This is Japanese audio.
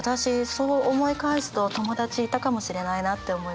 そう思い返すと友達いたかもしれないなって思いました。